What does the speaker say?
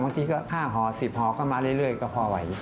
บางที๕๑๐หอออก็มาเรื่อยก็พอไหว